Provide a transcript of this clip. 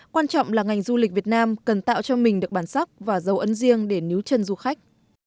quan trọng là ngành du lịch việt nam cần tạo cho mình được bản sắc và dấu ấn riêng để níu chân du khách